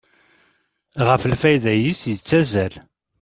Ɣef lfayda-is yettazzal.